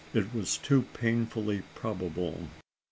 it was too painfully probable.